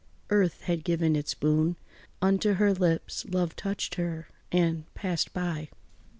Earth had given its boon Unto her lips, love touched her and passed by.